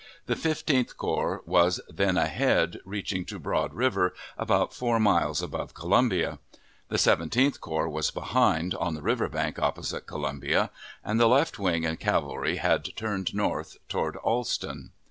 The Fifteenth Corps was then ahead, reaching to Broad River, about four miles above Columbia; the Seventeenth Corps was behind, on the river bank opposite Columbia; and the left wing and cavalry had turned north toward Alston.